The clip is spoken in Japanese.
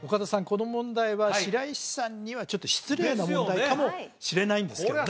この問題は白石さんにはちょっと失礼な問題かもしれないんですけどね